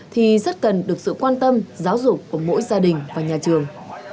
thì rất cần được sự quan tâm giáo dục của mỗi gia đình và nhà trường